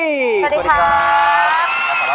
สวัสดีครับ